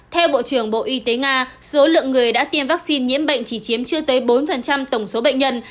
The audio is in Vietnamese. theo bộ trưởng bộ y tế nga số lượng người đã tiêm vaccine nhiễm bệnh chỉ chiếm chưa tới bốn tổng số bệnh nhân